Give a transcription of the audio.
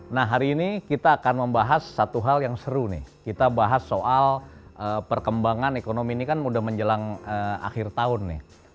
nah hari ini kita akan membahas satu hal yang seru nih kita bahas soal perkembangan ekonomi ini kan udah menjelang akhir tahun nih